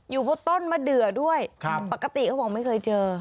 อยู่บนต้นมะเดือด้วยปกติเขาบอกไม่เคยเจอ